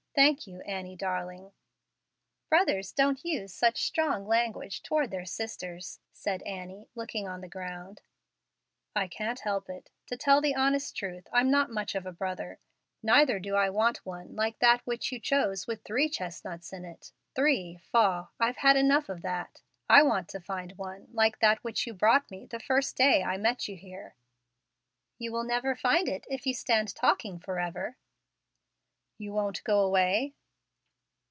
Thank you, Annie, darling." "Brothers don't use such strong language toward their sisters," said Annie, looking on the ground. "I can't help it. To tell the honest truth I'm not much of a brother. Neither do I want one like that which you chose with three chestnuts in it. Three, faugh! I've had enough of that. I want to find one like that which you brought me the first day I met you here." "You will never find it if you stand talking forever." "You won't go away?"